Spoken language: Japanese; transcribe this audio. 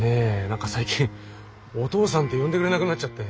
何か最近「お父さん」って呼んでくれなくなっちゃって。